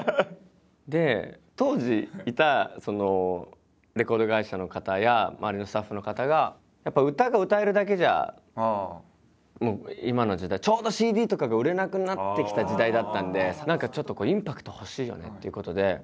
で当時いたそのレコード会社の方や周りのスタッフの方がやっぱ歌が歌えるだけじゃもう今の時代ちょうどＣＤとかが売れなくなってきた時代だったんで何かちょっとこうインパクト欲しいよねっていうことで。